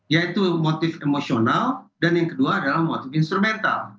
yaitu motif emosional dan yang kedua adalah motif instrumental